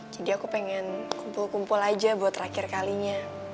jadi aku pengen kumpul kumpul aja buat terakhir kalinya